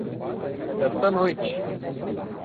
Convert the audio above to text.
Esta noite